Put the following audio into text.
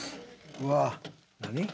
うわー何？